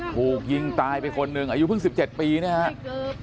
ถูกยิงตายไปคนหนึ่งอายุเพิ่งสิบเจ็ดปีเนี่ยฮะไม่เกิบ